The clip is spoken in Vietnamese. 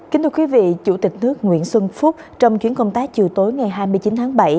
kính thưa quý vị chủ tịch nước nguyễn xuân phúc trong chuyến công tác chiều tối ngày hai mươi chín tháng bảy